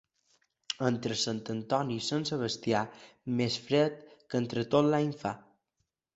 Entre Sant Antoni i Sant Sebastià, més fred que entre tot l'any fa.